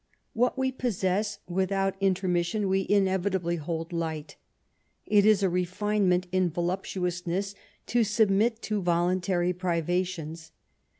What we possess without intermission, we inevitably hold light; it is a refinement in yoluptnousness to submit to voluntary privations.